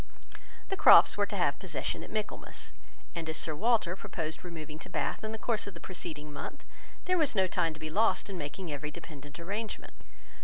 The Crofts were to have possession at Michaelmas; and as Sir Walter proposed removing to Bath in the course of the preceding month, there was no time to be lost in making every dependent arrangement.